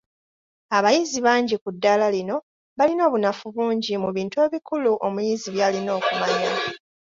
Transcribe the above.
Abayizi bangi ku ddaala lino balina obunafu bungi mu bintu ebikulu omuyizi by’alina okumanya.